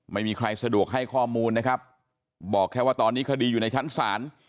ไม่มีใครสะดวกให้ข้อมูลนะครับบอกแค่ว่าตอนนี้คดีอยู่ในชั้นศาล